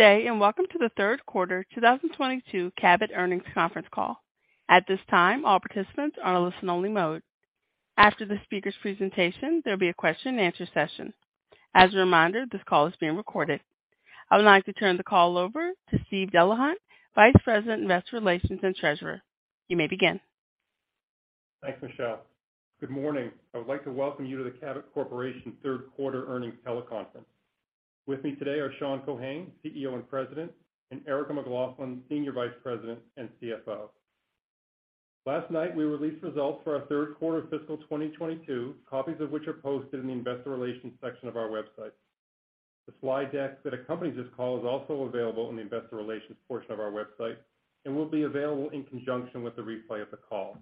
Good day, and welcome to the third quarter 2022 Cabot earnings conference call. At this time, all participants are in listen only mode. After the speaker's presentation, there'll be a question and answer session. As a reminder, this call is being recorded. I would like to turn the call over to Steve Delahunt, Vice President, Investor Relations and Treasurer. You may begin. Thanks, Michelle. Good morning. I would like to welcome you to the Cabot Corporation third quarter earnings teleconference. With me today are Sean Keohane, CEO and President, and Erica McLaughlin, Senior Vice President and CFO. Last night, we released results for our third quarter fiscal 2022, copies of which are posted in the investor relations section of our website. The slide deck that accompanies this call is also available in the investor relations portion of our website and will be available in conjunction with the replay of the call.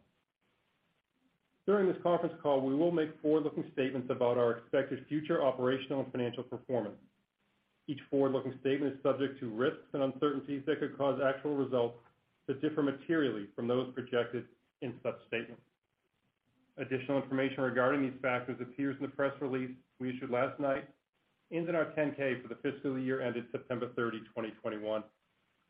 During this conference call, we will make forward-looking statements about our expected future operational and financial performance. Each forward-looking statement is subject to risks and uncertainties that could cause actual results to differ materially from those projected in such statements. Additional information regarding these factors appears in the press release we issued last night, and in our 10-K for the fiscal year ended September 30, 2021,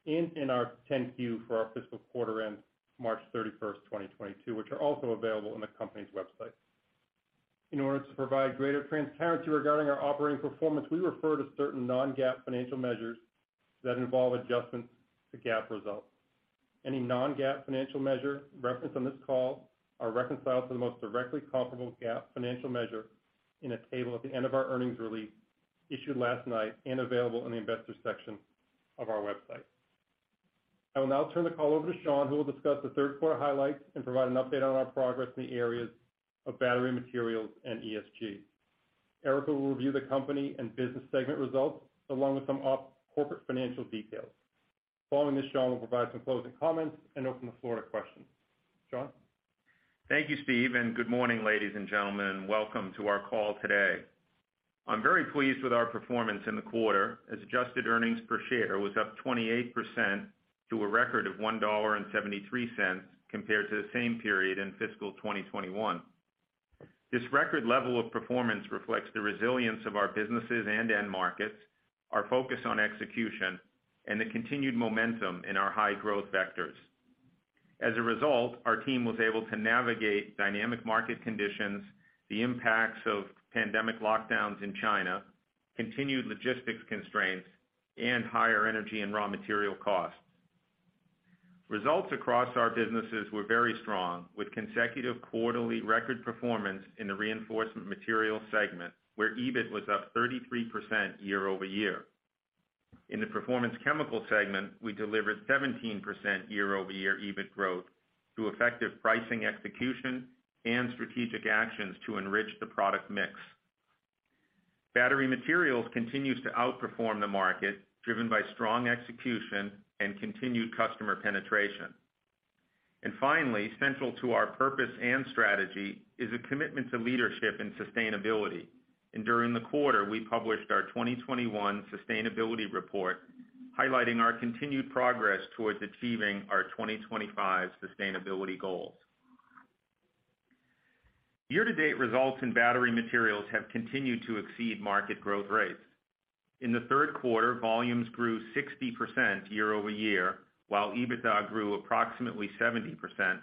and in our 10-Q for our fiscal quarter end March 31, 2022, which are also available on the company's website. In order to provide greater transparency regarding our operating performance, we refer to certain non-GAAP financial measures that involve adjustments to GAAP results. Any non-GAAP financial measure referenced on this call are reconciled to the most directly comparable GAAP financial measure in a table at the end of our earnings release issued last night and available in the investor section of our website. I will now turn the call over to Sean, who will discuss the third quarter highlights and provide an update on our progress in the areas of Battery Materials and ESG. Erica will review the company and business segment results along with some corporate financial details. Following this, Sean will provide some closing comments and open the floor to questions. Sean? Thank you, Steve, and good morning, ladies and gentlemen. Welcome to our call today. I'm very pleased with our performance in the quarter, as adjusted earnings per share was up 28% to a record of $1.73 compared to the same period in fiscal 2021. This record level of performance reflects the resilience of our businesses and end markets, our focus on execution, and the continued momentum in our high growth vectors. As a result, our team was able to navigate dynamic market conditions, the impacts of pandemic lockdowns in China, continued logistics constraints, and higher energy and raw material costs. Results across our businesses were very strong, with consecutive quarterly record performance in the Reinforcement Materials segment, where EBIT was up 33% year-over-year. In the Performance Chemicals segment, we delivered 17% year-over-year EBIT growth through effective pricing execution and strategic actions to enrich the product mix. Battery Materials continues to outperform the market, driven by strong execution and continued customer penetration. Finally, central to our purpose and strategy is a commitment to leadership and sustainability. During the quarter, we published our 2021 sustainability report highlighting our continued progress towards achieving our 2025 sustainability goals. Year to date results in Battery Materials have continued to exceed market growth rates. In the third quarter, volumes grew 60% year-over-year, while EBITDA grew approximately 70%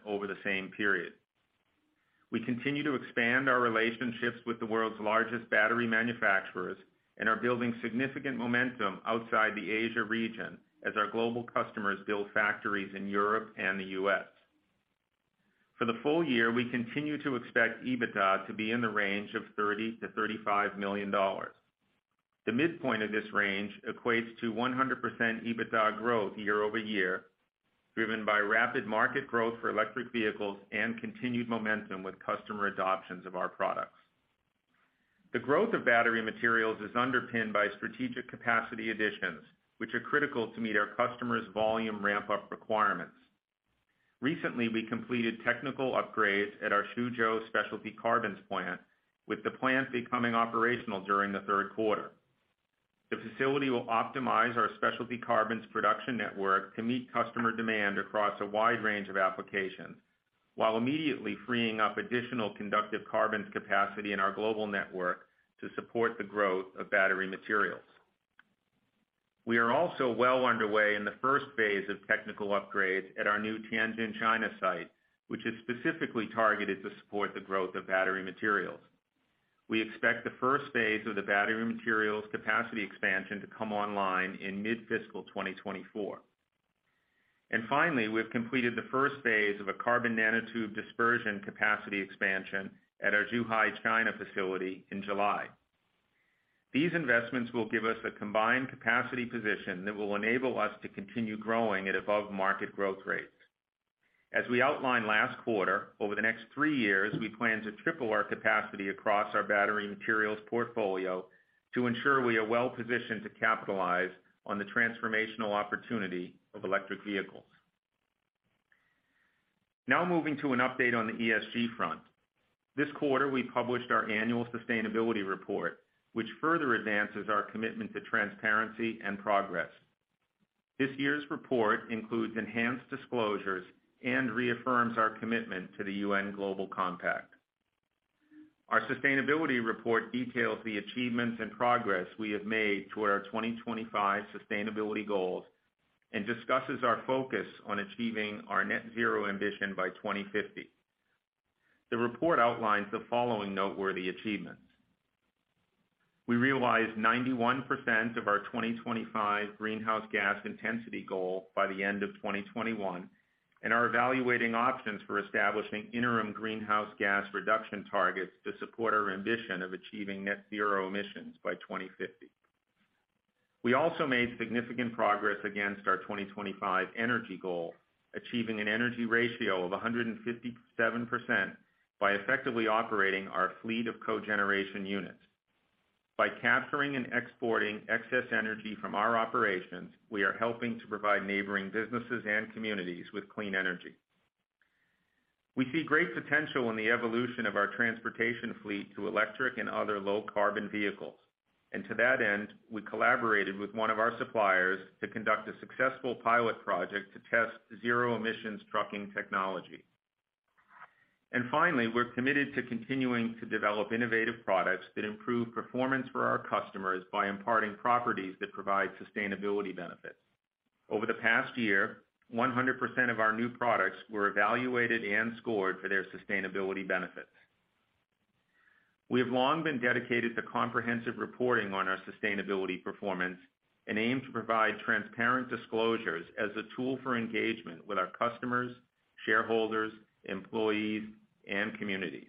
over the same period. We continue to expand our relationships with the world's largest battery manufacturers and are building significant momentum outside the Asia region as our global customers build factories in Europe and the U.S.. For the full year, we continue to expect EBITDA to be in the range of $30 million-$35 million. The midpoint of this range equates to 100% EBITDA growth year-over-year, driven by rapid market growth for electric vehicles and continued momentum with customer adoptions of our products. The growth of Battery Materials is underpinned by strategic capacity additions, which are critical to meet our customers' volume ramp-up requirements. Recently, we completed technical upgrades at our Xuzhou specialty carbons plant, with the plant becoming operational during the third quarter. The facility will optimize our specialty carbons production network to meet customer demand across a wide range of applications, while immediately freeing up additional conductive carbons capacity in our global network to support the growth of Battery Materials. We are also well underway in the first phase of technical upgrades at our new Tianjin, China site, which is specifically targeted to support the growth of Battery Materials. We expect the first phase of the Battery Materials capacity expansion to come online in mid-fiscal 2024. Finally, we've completed the first phase of a carbon nanotube dispersion capacity expansion at our Zhuhai, China facility in July. These investments will give us a combined capacity position that will enable us to continue growing at above market growth rates. As we outlined last quarter, over the next three years, we plan to triple our capacity across our Battery Materials portfolio to ensure we are well positioned to capitalize on the transformational opportunity of electric vehicles. Now moving to an update on the ESG front. This quarter, we published our annual sustainability report, which further advances our commitment to transparency and progress. This year's report includes enhanced disclosures and reaffirms our commitment to the UN Global Compact. Our sustainability report details the achievements and progress we have made toward our 2025 sustainability goals and discusses our focus on achieving our net zero ambition by 2050. The report outlines the following noteworthy achievements. We realized 91% of our 2025 greenhouse gas intensity goal by the end of 2021, and are evaluating options for establishing interim greenhouse gas reduction targets to support our ambition of achieving net zero emissions by 2050. We also made significant progress against our 2025 energy goal, achieving an energy ratio of 157% by effectively operating our fleet of cogeneration units. By capturing and exporting excess energy from our operations, we are helping to provide neighbouring businesses and communities with clean energy. We see great potential in the evolution of our transportation fleet to electric and other low carbon vehicles, and to that end, we collaborated with one of our suppliers to conduct a successful pilot project to test zero emissions trucking technology. Finally, we're committed to continuing to develop innovative products that improve performance for our customers by imparting properties that provide sustainability benefits. Over the past year, 100% of our new products were evaluated and scored for their sustainability benefits. We have long been dedicated to comprehensive reporting on our sustainability performance and aim to provide transparent disclosures as a tool for engagement with our customers, shareholders, employees, and communities.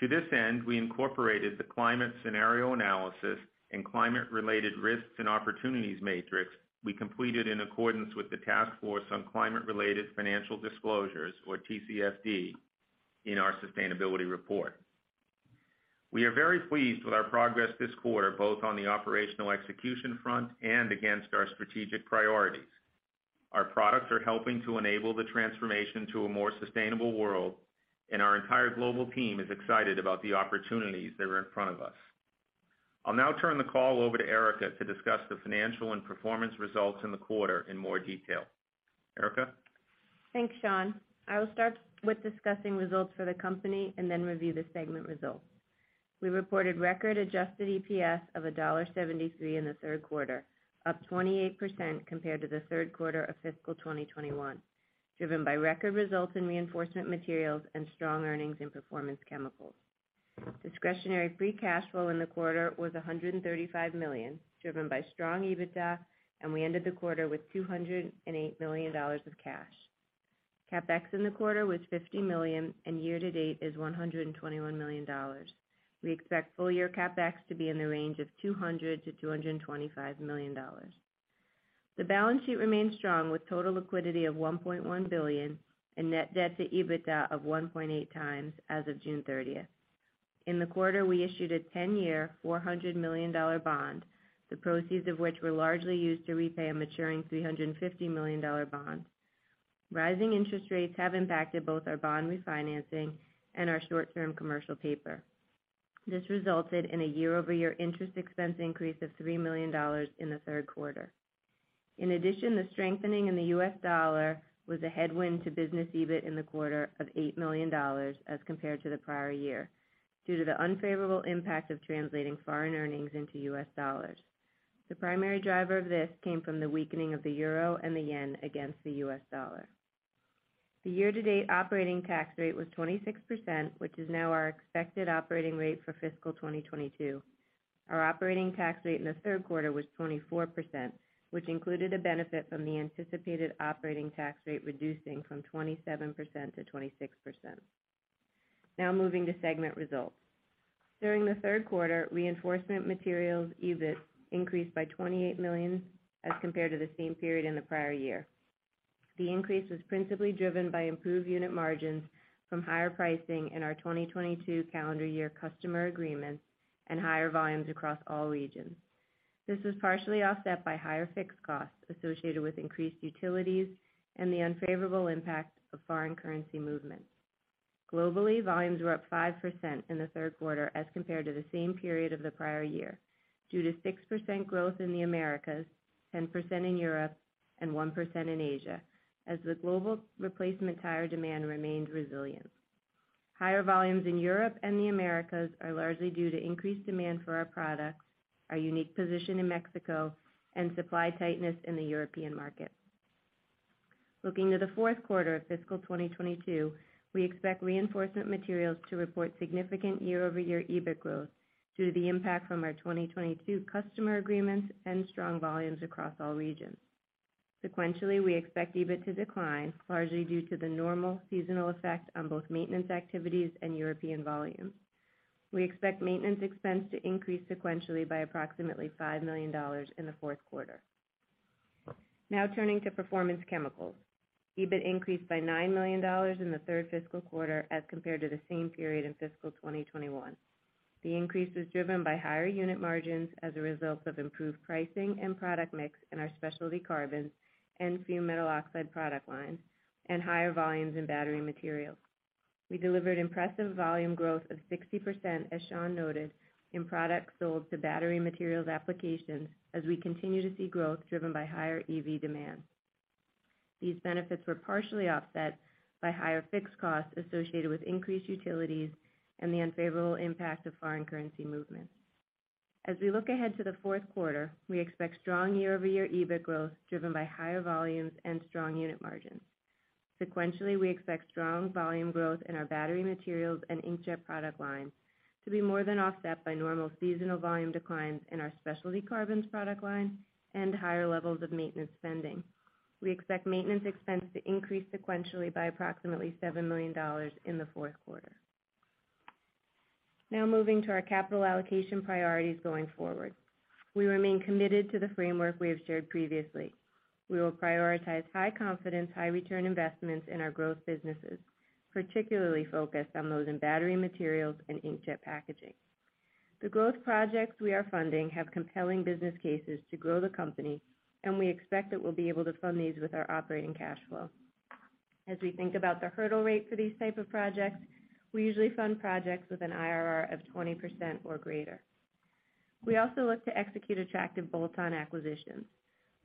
To this end, we incorporated the climate scenario analysis and climate-related risks and opportunities matrix we completed in accordance with the Task Force on Climate-Related Financial Disclosures, or TCFD, in our sustainability report. We are very pleased with our progress this quarter, both on the operational execution front and against our strategic priorities. Our products are helping to enable the transformation to a more sustainable world, and our entire global team is excited about the opportunities that are in front of us. I'll now turn the call over to Erica to discuss the financial and performance results in the quarter in more detail. Erica? Thanks, Sean. I will start with discussing results for the company and then review the segment results. We reported record adjusted EPS of $1.73 in the third quarter, up 28% compared to the third quarter of fiscal 2021, driven by record results in Reinforcement Materials and strong earnings in Performance Chemicals. Discretionary free cash flow in the quarter was $135 million, driven by strong EBITDA, and we ended the quarter with $208 million of cash. CapEx in the quarter was $50 million, and year-to-date is $121 million. We expect full-year CapEx to be in the range of $200 million-$225 million. The balance sheet remains strong with total liquidity of $1.1 billion and net debt to EBITDA of 1.8x as of June 30. In the quarter, we issued a 10-year, $400 million bond, the proceeds of which were largely used to repay a maturing $350 million bond. Rising interest rates have impacted both our bond refinancing and our short-term commercial paper. This resulted in a year-over-year interest expense increase of $3 million in the third quarter. In addition, the strengthening in the U.S. dollar was a headwind to business EBIT in the quarter of $8 million as compared to the prior year due to the unfavorable impact of translating foreign earnings into U.S. dollars. The primary driver of this came from the weakening of the euro and the yen against the U.S. dollar. The year-to-date operating tax rate was 26%, which is now our expected operating rate for fiscal 2022. Our operating tax rate in the third quarter was 24%, which included a benefit from the anticipated operating tax rate reducing from 27% to 26%. Now moving to segment results. During the third quarter, Reinforcement Materials EBIT increased by $28 million as compared to the same period in the prior year. The increase was principally driven by improved unit margins from higher pricing in our 2022 calendar year customer agreements and higher volumes across all regions. This was partially offset by higher fixed costs associated with increased utilities and the unfavorable impact of foreign currency movements. Globally, volumes were up 5% in the third quarter as compared to the same period of the prior year, due to 6% growth in the Americas, 10% in Europe, and 1% in Asia, as the global replacement tire demand remained resilient. Higher volumes in Europe and the Americas are largely due to increased demand for our products, our unique position in Mexico, and supply tightness in the European market. Looking to the fourth quarter of fiscal 2022, we expect Reinforcement Materials to report significant year-over-year EBIT growth due to the impact from our 2022 customer agreements and strong volumes across all regions. Sequentially, we expect EBIT to decline, largely due to the normal seasonal effect on both maintenance activities and European volumes. We expect maintenance expense to increase sequentially by approximately $5 million in the fourth quarter. Now turning to Performance Chemicals. EBIT increased by $9 million in the third fiscal quarter as compared to the same period in fiscal 2021. The increase was driven by higher unit margins as a result of improved pricing and product mix in our specialty carbons and fumed metal oxide product lines, and higher volumes in Battery Materials. We delivered impressive volume growth of 60%, as Sean noted, in products sold to Battery Materials applications as we continue to see growth driven by higher EV demand. These benefits were partially offset by higher fixed costs associated with increased utilities and the unfavorable impact of foreign currency movements. As we look ahead to the fourth quarter, we expect strong year-over-year EBIT growth driven by higher volumes and strong unit margins. Sequentially, we expect strong volume growth in our Battery Materials and inkjet product lines to be more than offset by normal seasonal volume declines in our specialty carbons product line and higher levels of maintenance spending. We expect maintenance expense to increase sequentially by approximately $7 million in the fourth quarter. Now moving to our capital allocation priorities going forward. We remain committed to the framework we have shared previously. We will prioritize high confidence, high return investments in our growth businesses, particularly focused on those in Battery Materials and inkjet packaging. The growth projects we are funding have compelling business cases to grow the company, and we expect that we'll be able to fund these with our operating cash flow. As we think about the hurdle rate for these type of projects, we usually fund projects with an IRR of 20% or greater. We also look to execute attractive bolt-on acquisitions.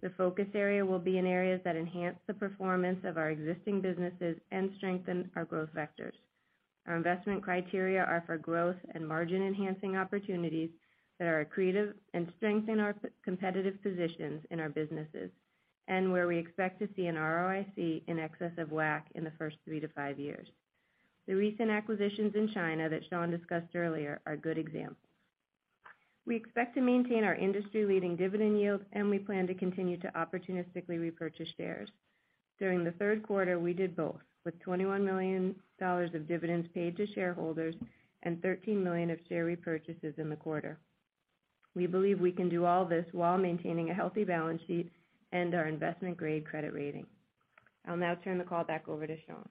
The focus area will be in areas that enhance the performance of our existing businesses and strengthen our growth vectors. Our investment criteria are for growth and margin enhancing opportunities that are accretive and strengthen our competitive positions in our businesses, and where we expect to see an ROIC in excess of WACC in the first 3-5 years. The recent acquisitions in China that Sean discussed earlier are good examples. We expect to maintain our industry-leading dividend yield, and we plan to continue to opportunistically repurchase shares. During the third quarter, we did both, with $21 million of dividends paid to shareholders and $13 million of share repurchases in the quarter. We believe we can do all this while maintaining a healthy balance sheet and our investment-grade credit rating. I'll now turn the call back over to Sean.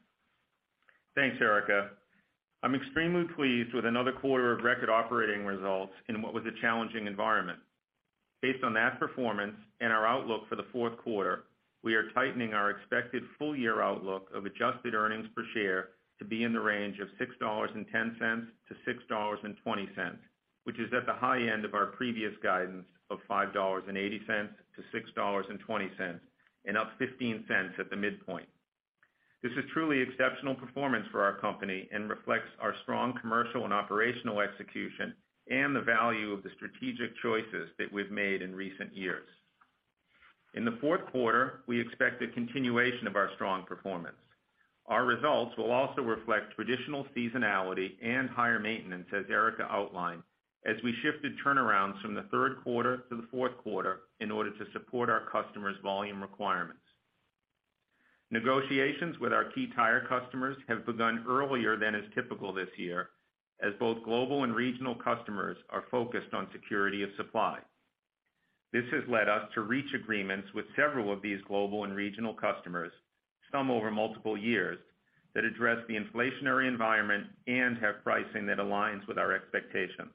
Thanks, Erica. I'm extremely pleased with another quarter of record operating results in what was a challenging environment. Based on that performance and our outlook for the fourth quarter, we are tightening our expected full year outlook of adjusted earnings per share to be in the range of $6.10-$6.20, which is at the high end of our previous guidance of $5.80-$6.20, and up 15 cents at the midpoint. This is truly exceptional performance for our company and reflects our strong commercial and operational execution, and the value of the strategic choices that we've made in recent years. In the fourth quarter, we expect a continuation of our strong performance. Our results will also reflect traditional seasonality and higher maintenance, as Erica outlined, as we shifted turnarounds from the third quarter to the fourth quarter in order to support our customers' volume requirements. Negotiations with our key tire customers have begun earlier than is typical this year, as both global and regional customers are focused on security of supply. This has led us to reach agreements with several of these global and regional customers, some over multiple years, that address the inflationary environment and have pricing that aligns with our expectations.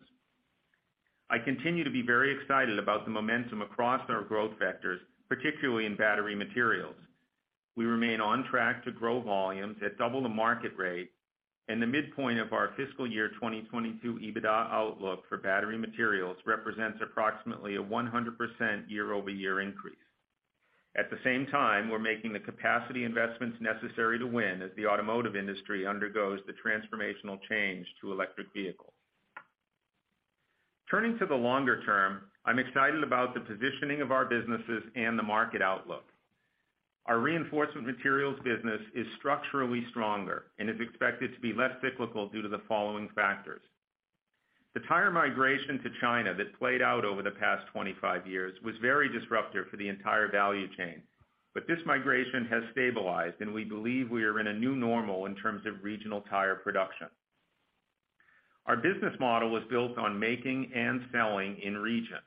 I continue to be very excited about the momentum across our growth vectors, particularly in Battery Materials. We remain on track to grow volumes at double the market rate, and the midpoint of our fiscal year 2022 EBITDA outlook for Battery Materials represents approximately a 100% year-over-year increase. At the same time, we're making the capacity investments necessary to win as the automotive industry undergoes the transformational change to electric vehicles. Turning to the longer term, I'm excited about the positioning of our businesses and the market outlook. Our Reinforcement Materials business is structurally stronger and is expected to be less cyclical due to the following factors. The tire migration to China that played out over the past 25 years was very disruptive for the entire value chain. This migration has stabilized, and we believe we are in a new normal in terms of regional tire production. Our business model was built on making and selling in region.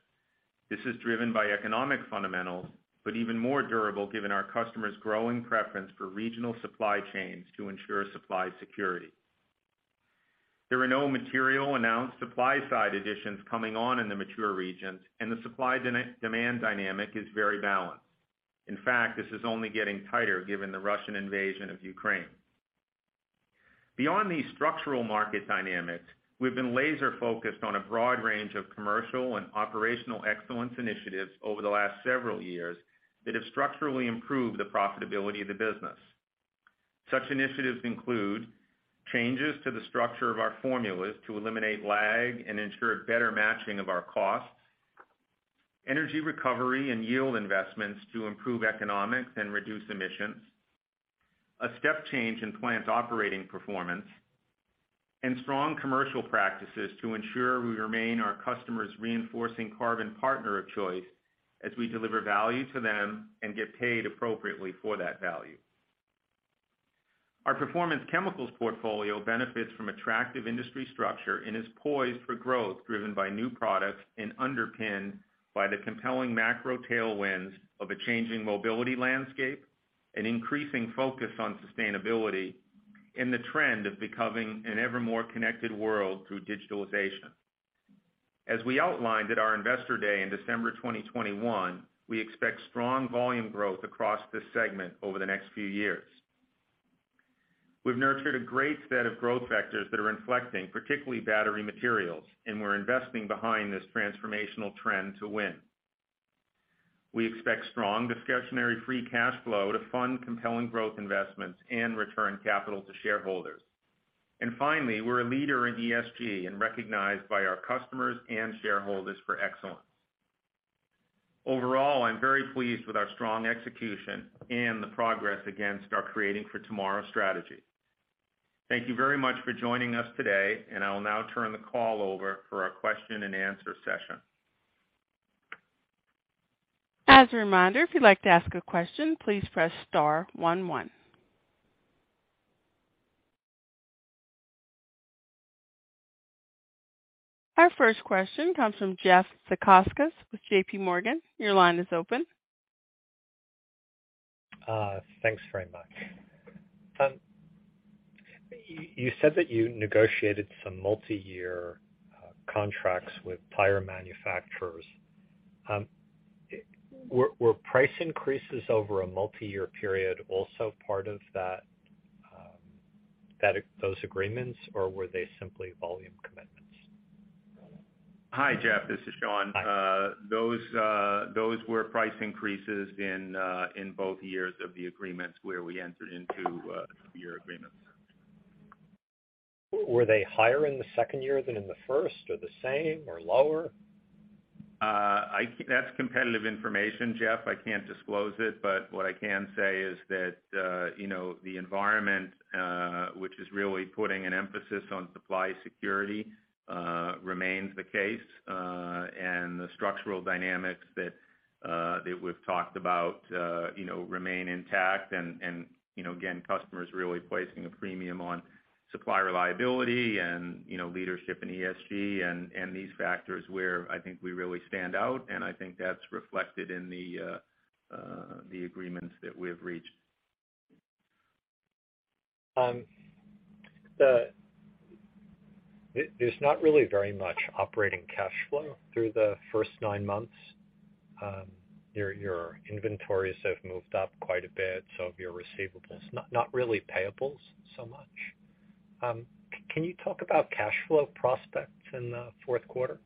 This is driven by economic fundamentals, but even more durable given our customers' growing preference for regional supply chains to ensure supply security. There are no material announced supply side additions coming on in the mature regions, and the supply demand dynamic is very balanced. In fact, this is only getting tighter given the Russian invasion of Ukraine. Beyond these structural market dynamics, we've been laser focused on a broad range of commercial and operational excellence initiatives over the last several years that have structurally improved the profitability of the business. Such initiatives include changes to the structure of our formulas to eliminate lag and ensure better matching of our costs. Energy recovery and yield investments to improve economics and reduce emissions. A step change in plant operating performance, and strong commercial practices to ensure we remain our customers reinforcing carbon partner of choice as we deliver value to them and get paid appropriately for that value. Our Performance Chemicals portfolio benefits from attractive industry structure and is poised for growth driven by new products and underpinned by the compelling macro tailwinds of a changing mobility landscape, an increasing focus on sustainability, and the trend of becoming an ever more connected world through digitalization. As we outlined at our Investor Day in December 2021, we expect strong volume growth across this segment over the next few years. We've nurtured a great set of growth vectors that are inflecting, particularly Battery Materials, and we're investing behind this transformational trend to win. We expect strong discretionary free cash flow to fund compelling growth investments and return capital to shareholders. Finally, we're a leader in ESG and recognized by our customers and shareholders for excellence. Overall, I'm very pleased with our strong execution and the progress against our Creating for Tomorrow strategy. Thank you very much for joining us today, and I will now turn the call over for our question-and-answer session. As a reminder, if you'd like to ask a question, please press star one one. Our first question comes from Jeff Zekauskas with JPMorgan. Your line is open. Thanks very much. You said that you negotiated some multiyear contracts with tire manufacturers. Were price increases over a multiyear period also part of those agreements, or were they simply volume commitments? Hi, Jeff. This is Sean. Those were price increases in both years of the agreements where we entered into year agreements. Were they higher in the second year than in the first, or the same, or lower? That's competitive information, Jeff. I can't disclose it. What I can say is that the environment, which is really putting an emphasis on supply security, remains the case, and the structural dynamics that we've talked about, remain intact. Again, customers really placing a premium on supply reliability and leadership in ESG and these factors where I think we really stand out, and I think that's reflected in the agreements that we have reached. There's not really very much operating cash flow through the first nine months. Your inventories have moved up quite a bit, so have your receivables. Not really payables so much. Can you talk about cash flow prospects in the fourth quarter?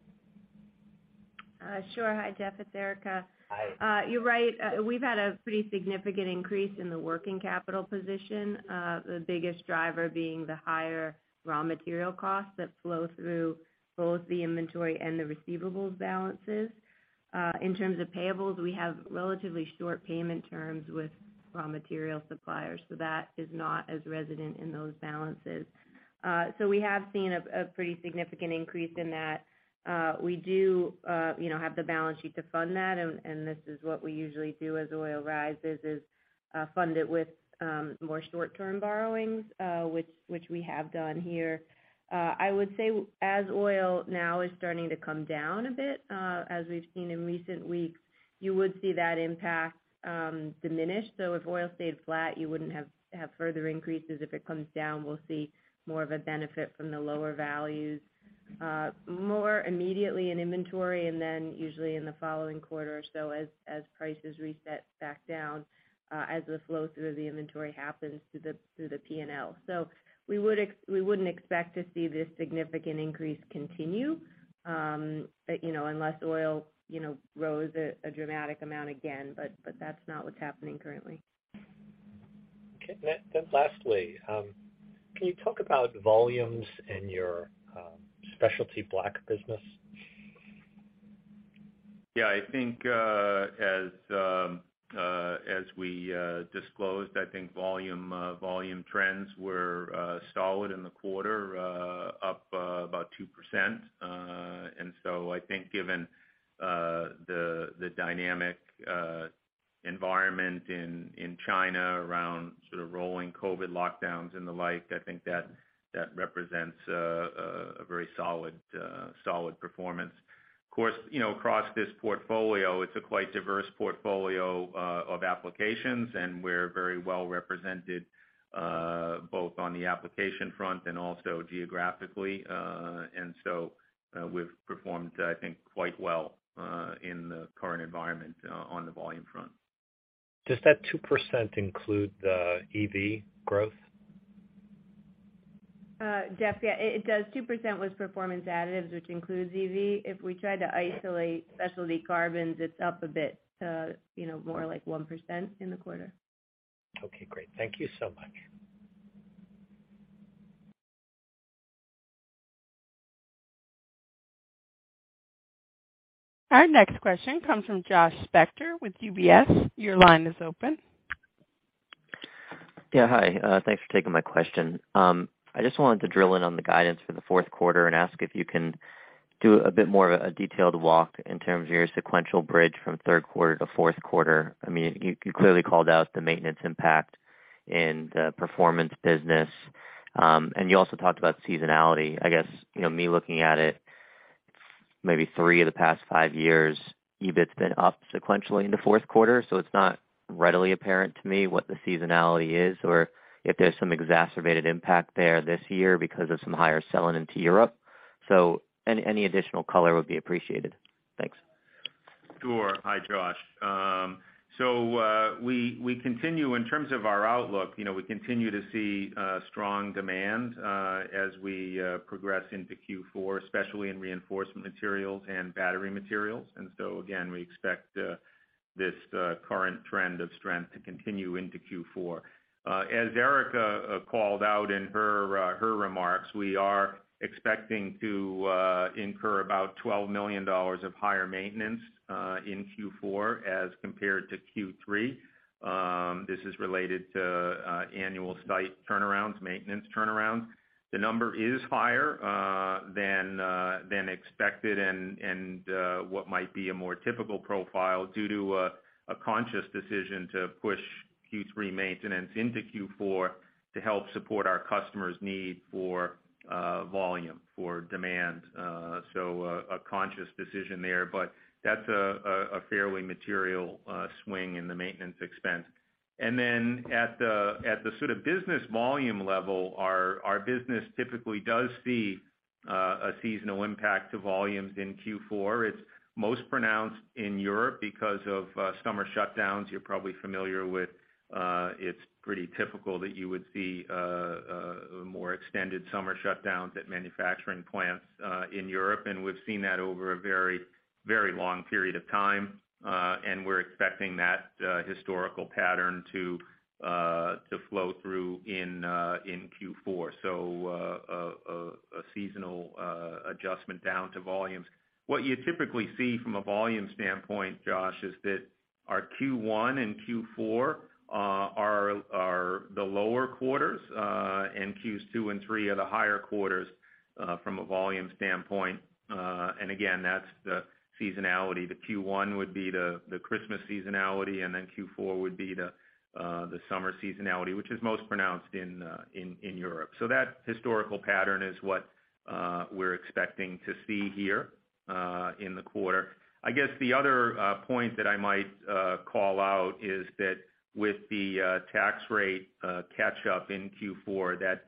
Sure. Hi, Jeff, it's Erica. Hi. You're right. We've had a pretty significant increase in the working capital position, the biggest driver being the higher raw material costs that flow through both the inventory and the receivables balances. In terms of payables, we have relatively short payment terms with raw material suppliers, so that is not as resident in those balances. We have seen a pretty significant increase in that. We do have the balance sheet to fund that, and this is what we usually do as oil rises, fund it with more short-term borrowings, which we have done here. I would say as oil now is starting to come down a bit, as we've seen in recent weeks, you would see that impact diminish. If oil stayed flat, you wouldn't have further increases. If it comes down, we'll see more of a benefit from the lower values more immediately in inventory, and then usually in the following quarter or so as prices reset back down, as the flow through the inventory happens through the P&L. We wouldn't expect to see this significant increase continue unless oil rose a dramatic amount again, but that's not what's happening currently. Okay. Lastly, can you talk about volumes in your specialty blacks business? Yeah. I think, as we disclosed, I think volume trends were solid in the quarter, up about 2%. I think given the dynamic environment in China around rolling COVID lockdowns and the like, I think that represents a very solid performance. Of course, across this portfolio, it's a quite diverse portfolio of applications, and we're very well represented both on the application front and also geographically. We've performed, I think, quite well in the current environment on the volume front. Does that 2% include the EV growth? Jeff, yeah, it does. 2% was Performance Additives, which includes EV. If we try to isolate Specialty Carbons, it's up a bit, so more like 1% in the quarter. Okay, great. Thank you so much. Our next question comes from Josh Spector with UBS. Your line is open. Yeah, hi. Thanks for taking my question. I just wanted to drill in on the guidance for the fourth quarter and ask if you can do a bit more of a detailed walk in terms of your sequential bridge from third quarter to fourth quarter. I mean, you clearly called out the maintenance impact in the performance business, and you also talked about seasonality. I guess, me looking at it, maybe three of the past five years, EBIT's been up sequentially in the fourth quarter, so it's not readily apparent to me what the seasonality is or if there's some exacerbated impact there this year because of some higher selling into Europe. Any additional color would be appreciated. Thanks. Sure. Hi, Josh. We continue in terms of our outlook, we continue to see strong demand as we progress into Q4, especially in Reinforcement Materials and Battery Materials. Again, we expect this current trend of strength to continue into Q4. As Erica called out in her remarks, we are expecting to incur about $12 million of higher maintenance in Q4 as compared to Q3. This is related to annual site turnarounds, maintenance turnarounds. The number is higher than expected and what might be a more typical profile due to a conscious decision to push Q3 maintenance into Q4 to help support our customers' need for volume for demand. A conscious decision there, but that's a fairly material swing in the maintenance expense. At the business volume level, our business typically does see a seasonal impact to volumes in Q4. It's most pronounced in Europe because of summer shutdowns. You're probably familiar with, it's pretty typical that you would see more extended summer shutdowns at manufacturing plants in Europe. We've seen that over a very long period of time, and we're expecting that historical pattern to flow through in Q4. A seasonal adjustment down to volumes. What you typically see from a volume standpoint, Josh, is that our Q1 and Q4 are the lower quarters, and Q2 and Q3 are the higher quarters from a volume standpoint. Again, that's the seasonality. The Q1 would be the Christmas seasonality, and then Q4 would be the summer seasonality, which is most pronounced in Europe. That historical pattern is what we're expecting to see here in the quarter. I guess the other point that I might call out is that with the tax rate catch up in Q4, that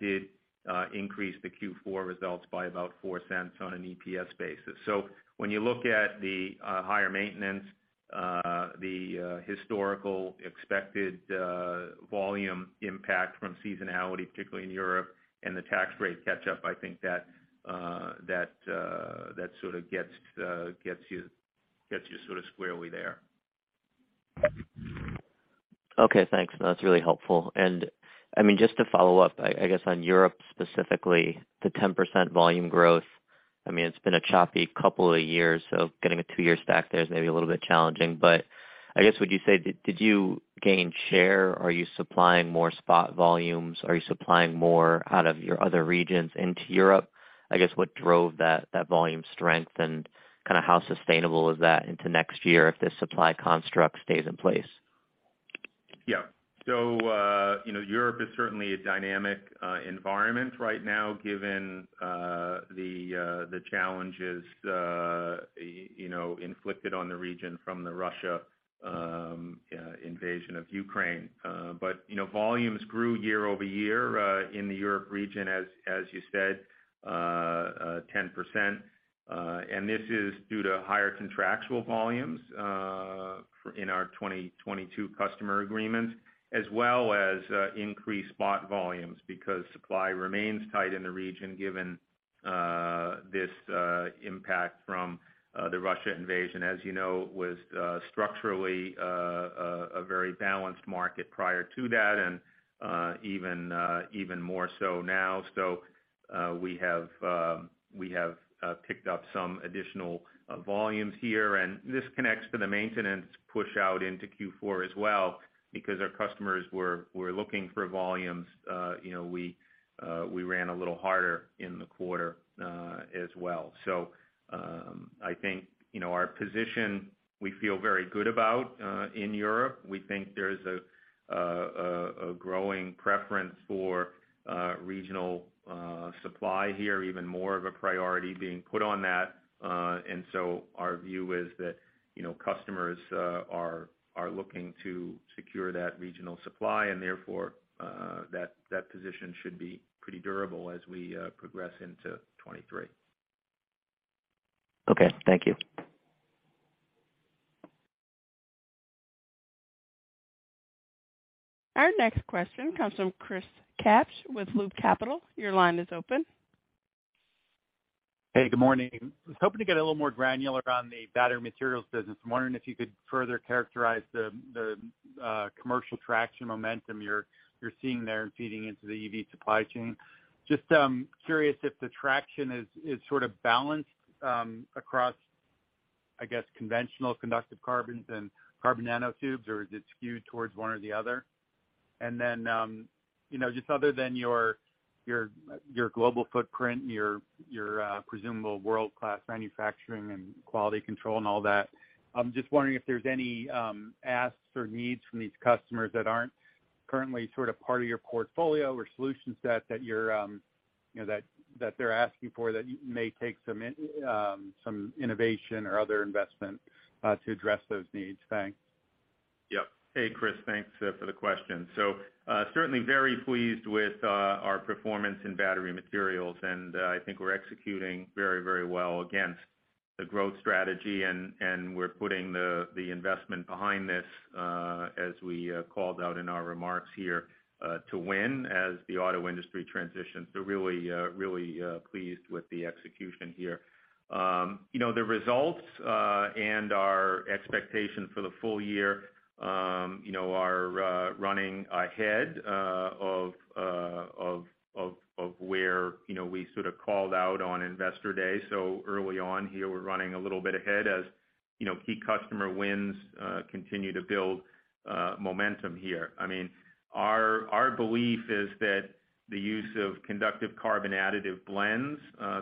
did increase the Q4 results by about $0.04 on an EPS basis. When you look at the higher maintenance, the historical expected volume impact from seasonality, particularly in Europe and the tax rate catch up, I think that gets you squarely there. Okay, thanks. That's really helpful. I mean, just to follow up, I guess on Europe specifically, the 10% volume growth, I mean, it's been a choppy couple of years, so getting a two years back there is maybe a little bit challenging. I guess, would you say did you gain share? Are you supplying more spot volumes? Are you supplying more out of your other regions into Europe? I guess, what drove that volume strength and how sustainable is that into next year if this supply construct stays in place? Europe is certainly a dynamic environment right now, given the challenges inflicted on the region from the Russian invasion of Ukraine. Volumes grew year-over-year in the Europe region as you said 10%. This is due to higher contractual volumes in our 2022 customer agreements, as well as increased spot volumes because supply remains tight in the region given this impact from the Russian invasion. As you know, it was structurally a very balanced market prior to that and even more so now. We have picked up some additional volumes here, and this connects to the maintenance pushout into Q4 as well because our customers were looking for volumes, we ran a little harder in the quarter, as well. I think our position we feel very good about in Europe. We think there's a growing preference for regional supply here, even more of a priority being put on that. Our view is that, customers are looking to secure that regional supply, and therefore, that position should be pretty durable as we progress into 2023. Okay, thank you. Our next question comes from Chris Kapsch with Loop Capital. Your line is open. Hey, good morning. I was hoping to get a little more granular on the Battery Materials business. I'm wondering if you could further characterize the commercial traction momentum you're seeing there and feeding into the EV supply chain. Just curious if the traction is balanced across, I guess, conventional conductive carbons and carbon nanotubes, or is it skewed towards one or the other? Then just other than your global footprint and your presumable world-class manufacturing and quality control and all that, I'm just wondering if there's any asks or needs from these customers that aren't currently part of your portfolio or solution set that you're you know that they're asking for that may take some innovation or other investment to address those needs. Thanks. Yep. Hey, Chris, thanks for the question. Certainly very pleased with our performance in Battery Materials, and I think we're executing very, very well against the growth strategy. We're putting the investment behind this, as we called out in our remarks here, to win as the auto industry transitions. Really pleased with the execution here. The results and our expectations for the full year, are running ahead of where we called out on Investor Day. Early on here, we're running a little bit ahead as key customer wins continue to build momentum here. I mean, our belief is that the use of conductive carbon additive blends,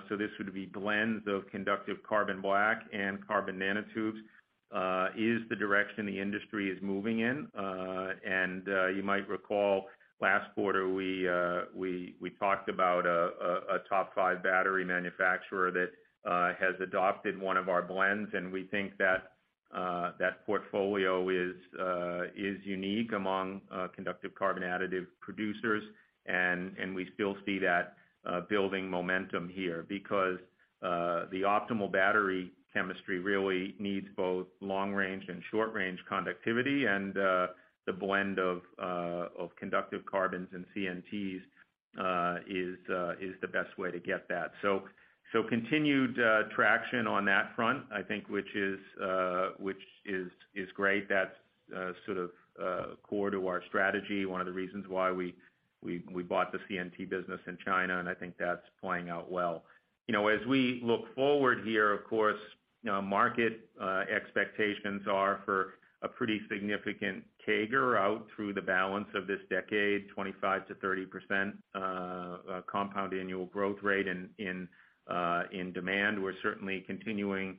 so this would be blends of conductive carbon black and carbon nanotubes, is the direction the industry is moving in. You might recall last quarter, we talked about a top five battery manufacturer that has adopted one of our blends. We think that portfolio is unique among conductive carbon additive producers. We still see that building momentum here because the optimal battery chemistry really needs both long range and short range conductivity, and the blend of conductive carbons and CNTs is the best way to get that. Continued traction on that front, I think, which is great. That's core to our strategy, one of the reasons why we bought the CNT business in China, and I think that's playing out well. As we look forward here, of course market expectations are for a pretty significant CAGR out through the balance of this decade, 25%-30% compound annual growth rate in demand. We're certainly continuing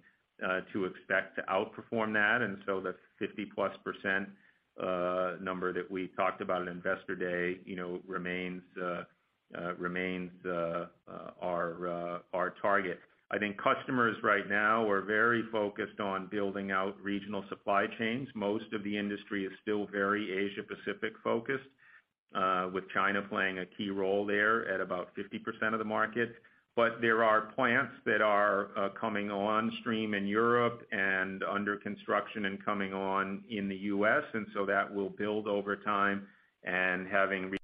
to expect to outperform that. The 50%+ number that we talked about at Investor Day remains our target. I think customers right now are very focused on building out regional supply chains. Most of the industry is still very Asia-Pacific focused, with China playing a key role there at about 50% of the market. There are plants that are coming on stream in Europe and under construction and coming on in the U.S., and that will build over time. Having regional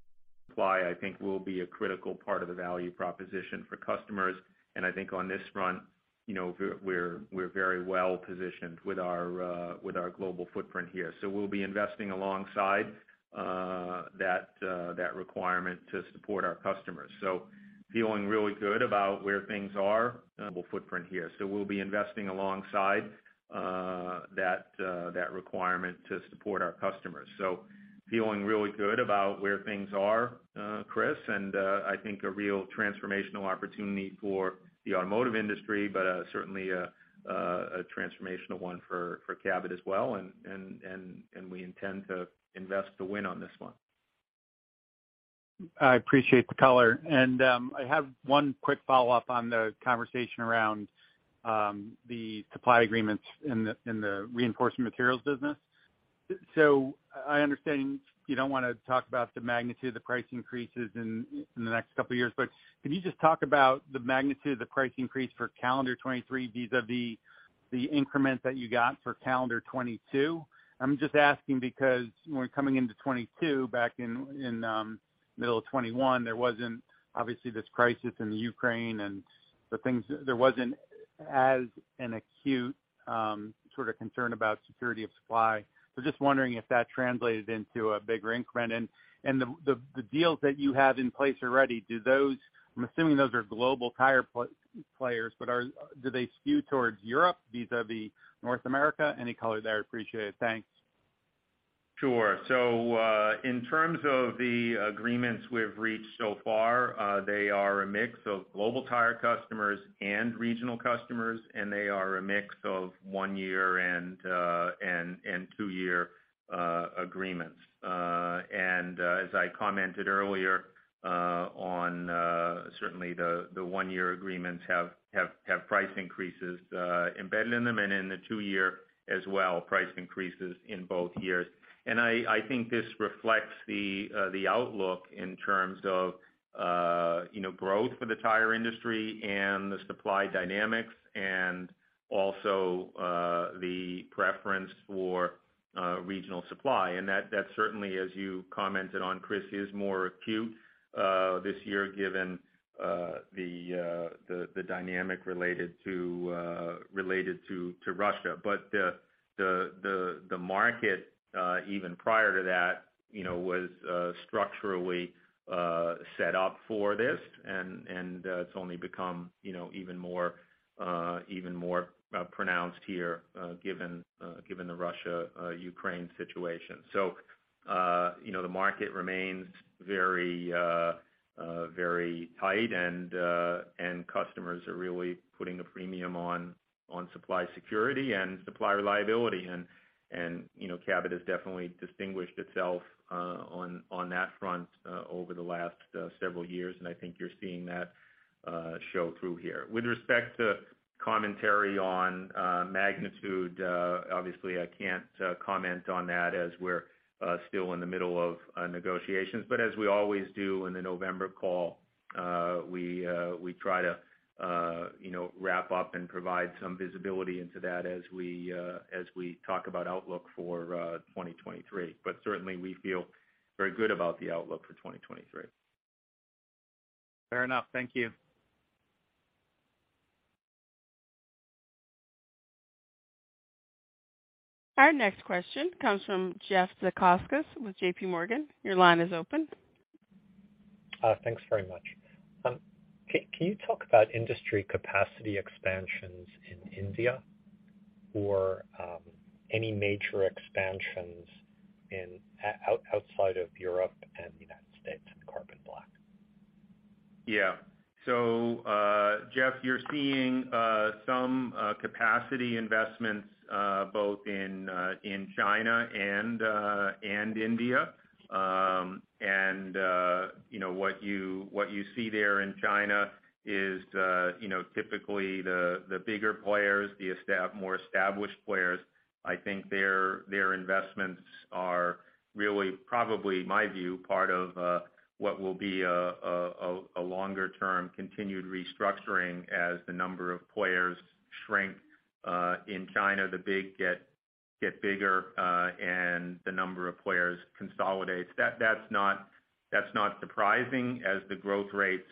supply, I think will be a critical part of the value proposition for customers. I think on this front, we're very well-positioned with our global footprint here. We'll be investing alongside that requirement to support our customers. Feeling really good about where things are. Chris, I think a real transformational opportunity for the automotive industry, but certainly a transformational one for Cabot as well. We intend to invest to win on this one. I appreciate the color. I have one quick follow-up on the conversation around the supply agreements in the Reinforcement Materials business. I understand you don't wanna talk about the magnitude of the price increases in the next couple of years, but can you just talk about the magnitude of the price increase for calendar 2023 vis-à-vis the increment that you got for calendar 2022? I'm just asking because when coming into 2022, back in middle of 2021, there wasn't obviously this crisis in the Ukraine. There wasn't as an acute concern about security of supply. Just wondering if that translated into a bigger increment. The deals that you have in place already, do those? I'm assuming those are global tire players, but do they skew towards Europe vis-à-vis North America? Any color there appreciated. Thanks. Sure. In terms of the agreements we've reached so far, they are a mix of global tire customers and regional customers, and they are a mix of one-year and two-year agreements. As I commented earlier, certainly the one-year agreements have price increases embedded in them, and in the two-year as well, price increases in both years. I think this reflects the outlook in terms of growth for the tire industry and the supply dynamics and also, the preference for regional supply. That certainly, as you commented on, Chris, is more acute this year, given the dynamic related to Russia. The market even prior to that was structurally set up for this, and it's only become even more pronounced here, given the Russia-Ukraine situation. The market remains very tight, and customers are really putting a premium on supply security and supply reliability. Cabot has definitely distinguished itself on that front over the last several years, and I think you're seeing that show through here. With respect to commentary on magnitude, obviously I can't comment on that as we're still in the middle of negotiations. As we always do in the November call, we try to wrap up and provide some visibility into that as we talk about outlook for 2023. Certainly we feel very good about the outlook for 2023. Fair enough. Thank you. Our next question comes from Jeff Zekauskas with JPMorgan. Your line is open. Thanks very much. Can you talk about industry capacity expansions in India or any major expansions outside of Europe and United States in carbon black? Jeff, you're seeing some capacity investments both in China and India. What you see there in China is typically the bigger players, the more established players. I think their investments are really probably, my view, part of what will be a longer term continued restructuring as the number of players shrink in China, the big get bigger and the number of players consolidates. That's not surprising as the growth rates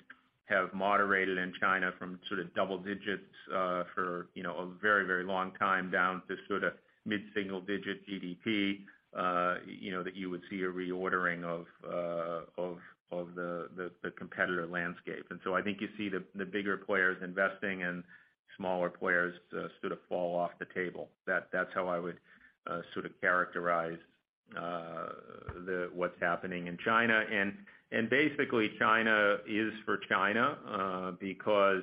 have moderated in China from double digits for a very long time down to mid-single digit GDP, that you would see a reordering of the competitor landscape. I think you see the bigger players investing and smaller players fall off the table. That's how I would characterize what's happening in China. Basically China is for China because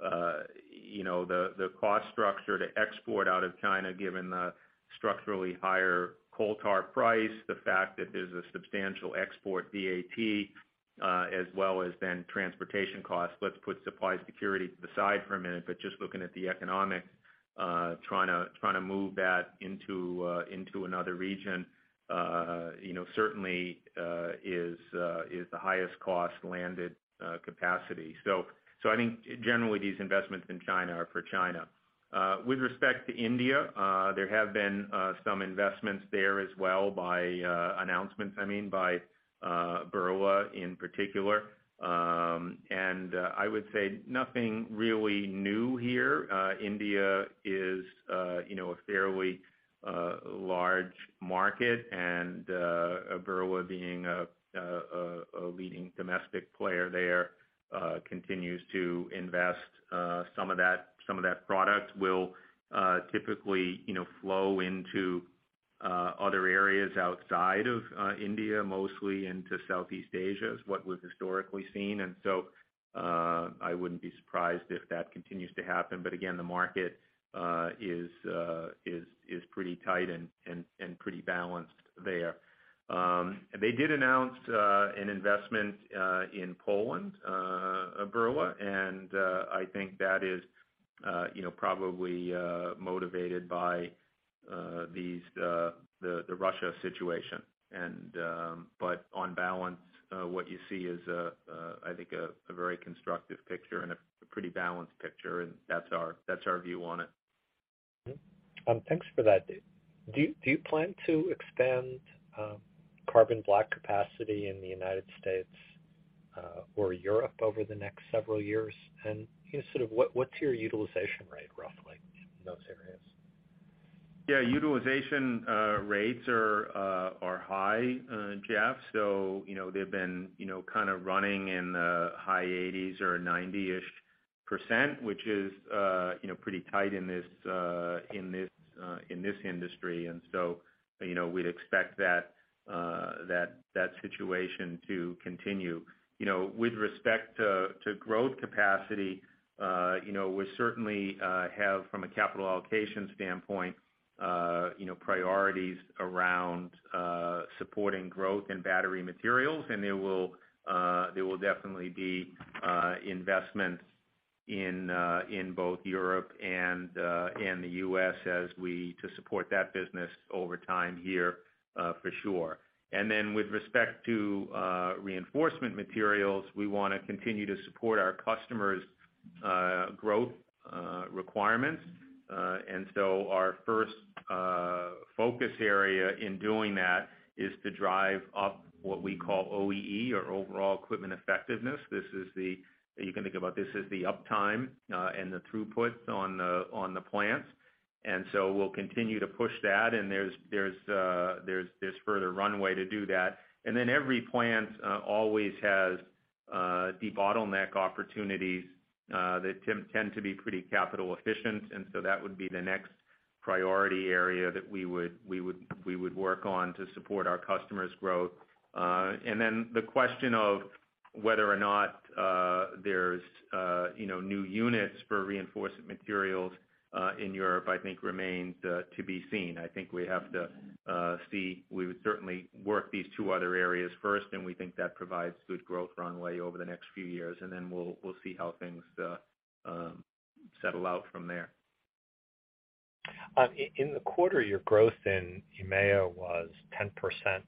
the cost structure to export out of China, given the structurally higher coal tar price, the fact that there's a substantial export VAT, as well as then transportation costs. Let's put supply security to the side for a minute, but just looking at the economics, trying to move that into another region certainly is the highest cost landed capacity. I think generally these investments in China are for China. With respect to India, there have been some investments there as well by Birla in particular. I would say nothing really new here. India is a fairly large market and Birla being a leading domestic player there continues to invest. Some of that product will typically flow into other areas outside of India, mostly into Southeast Asia, is what was historically seen. I wouldn't be surprised if that continues to happen. Again, the market is pretty tight and pretty balanced there. They did announce an investment in Poland, Birla, and I think that is probably motivated by the Russia situation. On balance, what you see is I think a very constructive picture and a pretty balanced picture, and that's our view on it. Thanks for that. Do you plan to expand carbon black capacity in the United States or Europe over the next several years? You know, sort of what's your utilization rate roughly in those areas? Yeah. Utilization rates are high, Jeff. They've been running in the high 80s or 90%, which is pretty tight in this industry. We'd expect that situation to continue. With respect to growth capacity, we certainly have from a capital allocation standpoint, priorities around supporting growth in Battery Materials. There will definitely be investments in both Europe and the U.S. as we to support that business over time here, for sure. With respect to Reinforcement Materials, we wanna continue to support our customers' growth requirements. Our first focus area in doing that is to drive up what we call OEE or overall equipment effectiveness. You can think about this as the uptime and the throughput on the plants. We'll continue to push that. There's further runway to do that. Every plant always has debottleneck opportunities that tend to be pretty capital efficient. That would be the next priority area that we would work on to support our customers' growth. The question of whether or not there's new units for Reinforcement Materials in Europe, I think remains to be seen. I think we have to see. We would certainly work these two other areas first, and we think that provides good growth runway over the next few years, and then we'll see how things settle out from there. In the quarter, your growth in EMEA was 10%.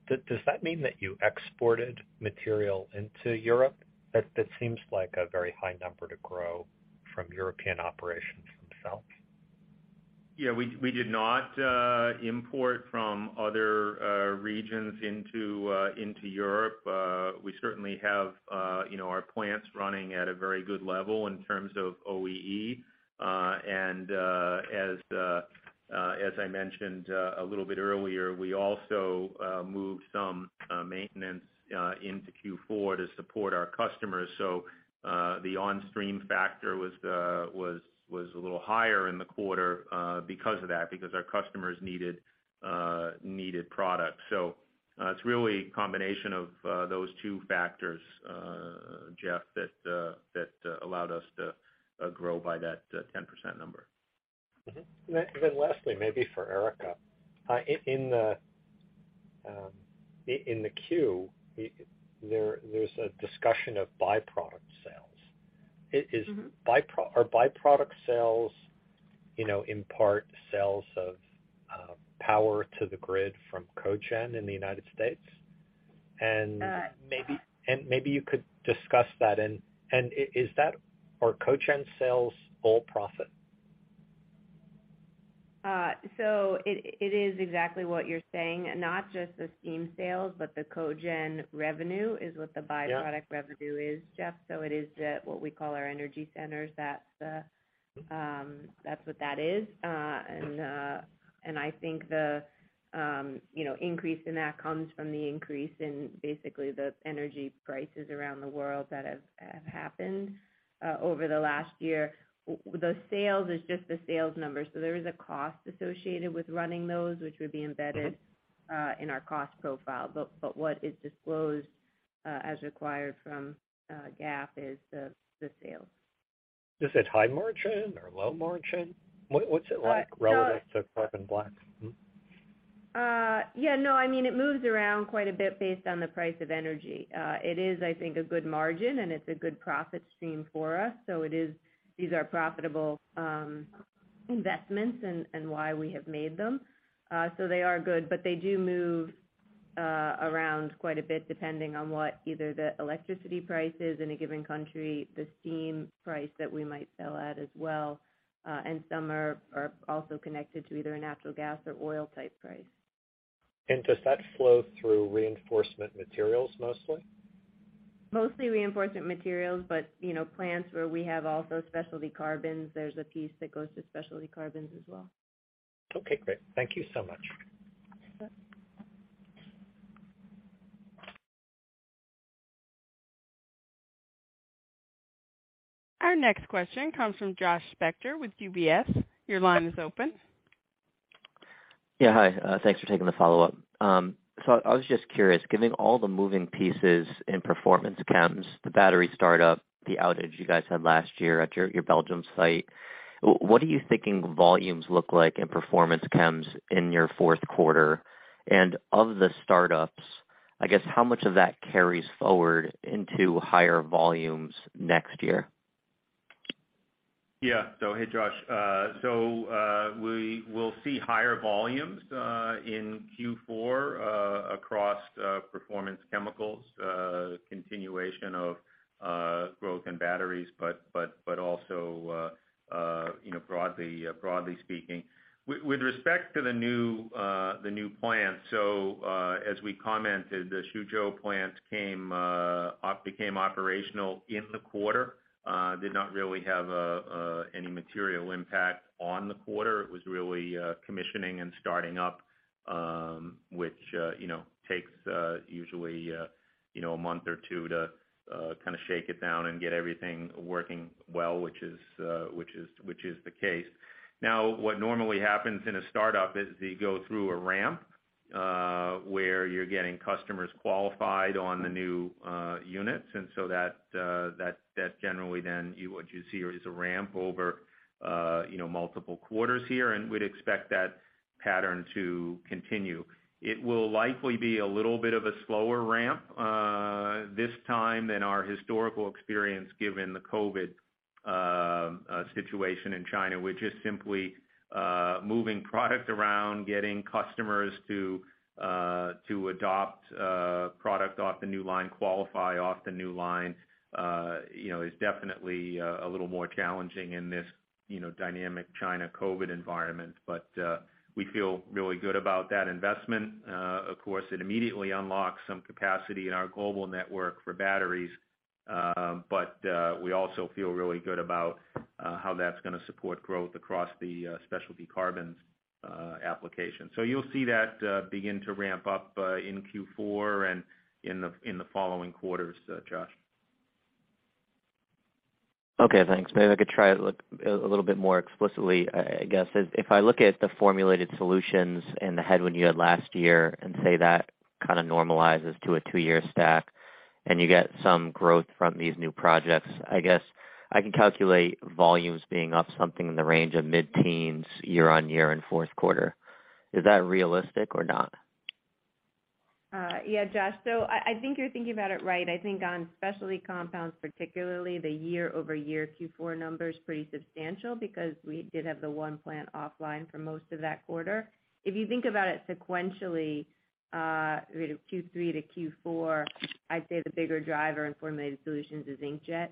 Does that mean that you exported material into Europe? That seems like a very high number to grow from European operations themselves. Yeah, we did not import from other regions into Europe. We certainly have our plants running at a very good level in terms of OEE. As I mentioned a little bit earlier, we also moved some maintenance into Q4 to support our customers. The on-stream factor was a little higher in the quarter because of that, because our customers needed product. It's really a combination of those two factors, Jeff, that allowed us to grow by that 10% number. Lastly, maybe for Erica. In the Q, there's a discussion of byproduct sales. Is byproduct sales, in part sales of power to the grid from cogen in the United States? Maybe you could discuss that. Are cogen sales all profit? It is exactly what you're saying, not just the steam sales, but the cogen revenue is what the. Byproduct revenue is, Jeff. It is what we call our energy centers. That's what that is. I think the increase in that comes from the increase in basically the energy prices around the world that have happened over the last year. The sales is just the sales number. There is a cost associated with running those, which would be embedded in our cost profile. But what is disclosed as required from GAAP is the sales. Is it high margin or low margin? What's it like? Yeah. Relative to carbon black? Yeah, no, I mean, it moves around quite a bit based on the price of energy. It is, I think, a good margin, and it's a good profit stream for us. These are profitable investments and why we have made them. They are good, but they do move around quite a bit, depending on what either the electricity price is in a given country, the steam price that we might sell at as well. Some are also connected to either a natural gas or oil type price. Does that flow through Reinforcement Materials mostly? Mostly Reinforcement Materials, but plants where we have also specialty carbons, there's a piece that goes to specialty carbons as well. Okay, great. Thank you so much. Sure. Our next question comes from Josh Spector with UBS. Your line is open. Yeah, hi. Thanks for taking the follow-up. I was just curious, given all the moving pieces in Performance Chems, the battery startup, the outage you guys had last year at your Belgium site, what are you thinking volumes look like in Performance Chems in your fourth quarter? Of the startups, I guess, how much of that carries forward into higher volumes next year? Yeah. Hey, Josh. We will see higher volumes in Q4 across Performance Chemicals, continuation of growth in batteries, but also broadly speaking. With respect to the new plant, as we commented, the Xuzhou plant became operational in the quarter. It did not really have any material impact on the quarter. It was really commissioning and starting up, which takes usually a month or two to kinda shake it down and get everything working well, which is the case. Now, what normally happens in a startup is you go through a ramp where you're getting customers qualified on the new units. That generally then what you see is a ramp over multiple quarters here, and we'd expect that pattern to continue. It will likely be a little bit of a slower ramp this time than our historical experience given the COVID situation in China, which is simply moving product around, getting customers to adopt product off the new line, qualify off the new line is definitely a little more challenging in this dynamic China COVID environment. We feel really good about that investment. Of course, it immediately unlocks some capacity in our global network for batteries, but we also feel really good about how that's gonna support growth across the specialty carbons application. You'll see that begin to ramp up in Q4 and in the following quarters, Josh. Okay, thanks. Maybe I could try it a little bit more explicitly. I guess if I look at the Formulated Solutions and the headwind you had last year and say that kinda normalizes to a two-year stack, and you get some growth from these new projects, I guess I can calculate volumes being up something in the range of mid-teens year-on-year in fourth quarter. Is that realistic or not? Yeah, Josh. I think you're thinking about it right. I think on specialty compounds, particularly the year-over-year Q4 number is pretty substantial because we did have the one plant offline for most of that quarter. If you think about it sequentially, Q3 to Q4, I'd say the bigger driver in Formulated Solutions is inkjet,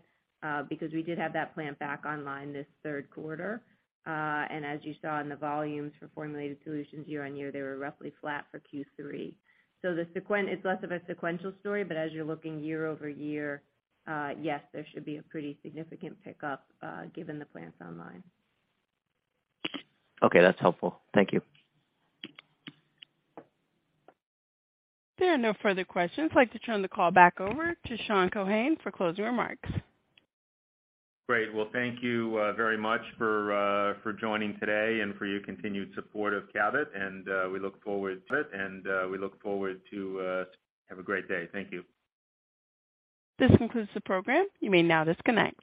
because we did have that plant back online this third quarter. As you saw in the volumes for Formulated Solutions year-on-year, they were roughly flat for Q3. It's less of a sequential story, but as you're looking year-over-year, yes, there should be a pretty significant pickup, given the plant's online. Okay, that's helpful. Thank you. There are no further questions. I'd like to turn the call back over to Sean Keohane for closing remarks. Great. Well, thank you very much for joining today and for your continued support of Cabot. We look forward to it. Have a great day. Thank you. This concludes the program. You may now disconnect.